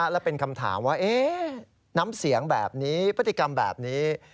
และเป็นคำถามว่าน้ำเสียงแบบนี้พฤติกรรมแบบนี้